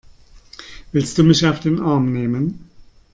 Willst du mich auf den Arm nehmen?